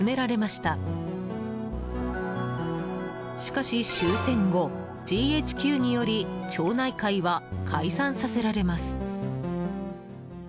しかし終戦後、ＧＨＱにより町内会は解散させられます。